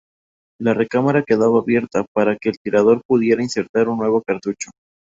La recámara quedaba abierta, para que el tirador pudiera insertar un nuevo cartucho.